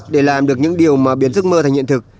để làm được những điều mà biến giấc mơ thành hiện thực